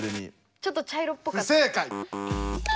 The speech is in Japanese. ちょっと茶色っぽかった。